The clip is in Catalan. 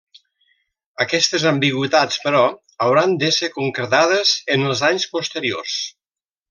Aquestes ambigüitats, però, hauran d’ésser concretades en els anys posteriors.